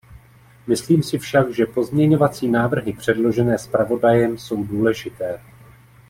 Myslím si však, že pozměňovací návrhy předložené zpravodajem jsou důležité.